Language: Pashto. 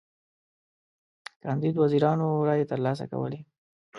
کاندید وزیرانو رایی تر لاسه کولې.